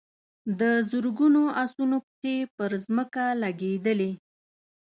د زرګونو آسونو پښې پر ځمکه لګېدلې.